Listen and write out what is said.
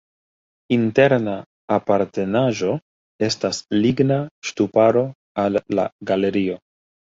Interna apartenaĵo estas ligna ŝtuparo al la galerio.